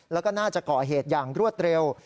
แล้วก็น่าจะเกาะเหตุอย่างรวดเร็ว